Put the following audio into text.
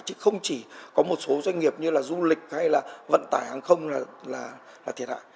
chứ không chỉ có một số doanh nghiệp như là du lịch hay là vận tải hàng không là thiệt hại